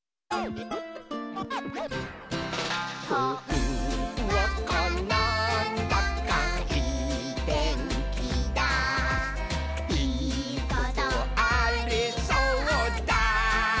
「ほんわかなんだかいいてんきだいいことありそうだ！」